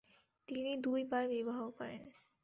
তিনি দুই বার বিবাহ করেন।